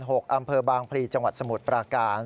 อำเภอบางพลีจังหวัดสมุทรปราการ